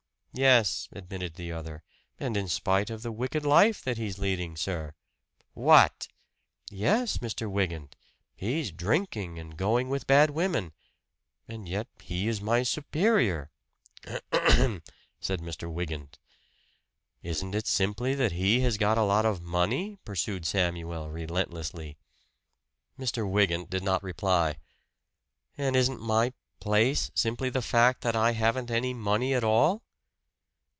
"Yes," admitted the other "And in spite of the wicked life that he's leading, sir!" "What!" "Yes, Mr. Wygant he's drinking, and going with bad women. And yet he is my superior." "Ahem!" said Mr. Wygant. "Isn't it simply that he has got a lot of money?" pursued Samuel relentlessly. Mr. Wygant did not reply. "And isn't my 'place' simply the fact that I haven't any money at all?"